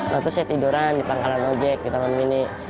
lalu saya tiduran di pangkalan ojek di tangan ini